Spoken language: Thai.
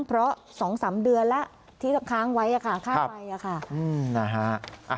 เพราะ๒๓เดือนแล้วที่ค้างไว้ค่าไฟค่ะ